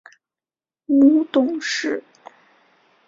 母董氏。